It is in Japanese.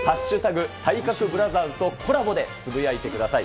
＃体格ブラザーズとコラボでつぶやいてください。